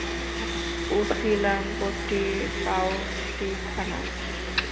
Usilampatti county থানা।